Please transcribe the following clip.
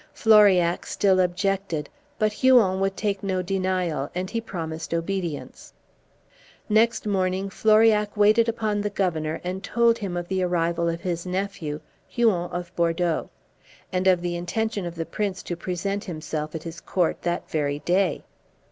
Floriac still objected, but Huon would take no denial, and he promised obedience. Next morning Floriac waited upon the Governor and told him of the arrival of his nephew, Huon of Bordeaux; and of the intention of the prince to present himself at his court that very day.